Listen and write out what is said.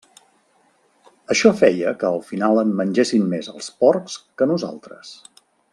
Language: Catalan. Això feia que al final en mengessin més els porcs que nosaltres.